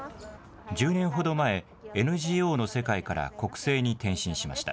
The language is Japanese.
１０年ほど前、ＮＧＯの世界から国政に転身しました。